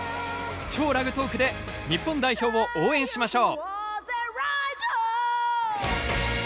超ラグトークで日本代表を応援しましょう。